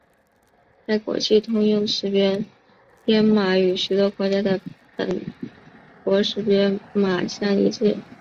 该国际通用识别编码与许多国家的本国识别码相一致。